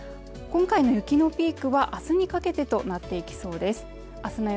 今回の雪のピークはあすにかけてとなっていきそうです